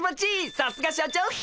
さすが社長っす！